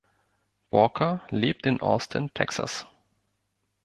Walker lebt in Austin, Texas.